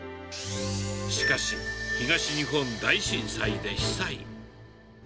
しかし、東日本大震災で被災。